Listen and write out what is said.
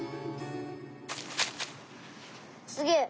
すげえ！